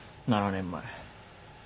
７年前。